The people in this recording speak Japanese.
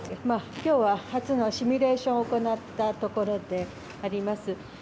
今日は初のシミュレーションを行ったところであります。